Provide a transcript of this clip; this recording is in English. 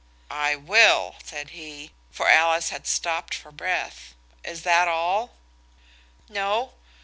"I will," said he, for Alice had stopped for breath. "Is that all?" "No.